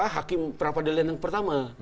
hakim prabak dela neng pertama